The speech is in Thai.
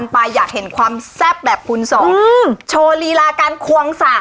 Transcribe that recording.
ถ้าปลอดไปแล้ว